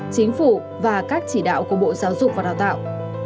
chính phủ và các chỉ đạo của bộ giáo dục và đào tạo